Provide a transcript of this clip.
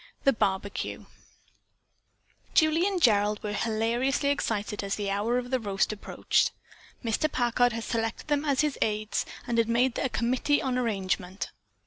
THE BARBEQUE Julie and Gerald were hilariously excited as the hour of the roast approached. Mr. Packard had selected them as his aides, had made them a committee on arrangement.